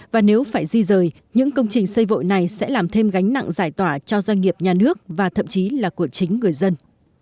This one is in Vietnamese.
và nếu phải di rời những công trình xây vội này sẽ làm thêm gánh nặng giải tỏa cho doanh nghiệp nhà nước và thậm chí là của chính người dân